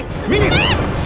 kembaliin perhiasan aku